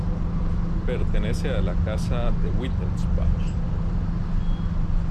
Pertenece a la casa de Wittelsbach.